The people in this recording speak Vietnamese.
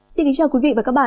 xin kính chào quý vị và các bạn